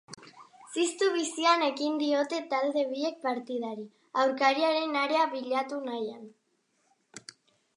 Ziztu bizian ekin diote talde biek partidari, aurkariaren area bilatu nahian.